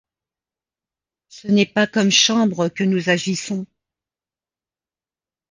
Ce n'est pas comme Chambre que nous agissons !